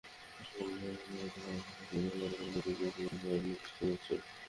কোনির মতো বাংলাদেশের মেয়েরাও নানা প্রতিবন্ধকতা পেরিয়ে প্রতিভায় মুগ্ধ করছে সবাইকে।